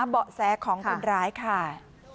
เบาะแสของคนร้ายค่ะ